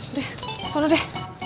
udah kesana deh